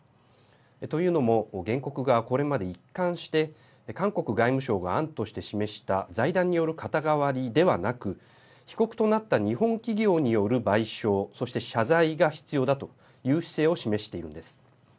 というのも原告側は、これまで一貫して韓国外務省が案として示した財団による肩代わりではなく被告となった日本企業による賠償そして謝罪が必要だという姿勢を示しているんです。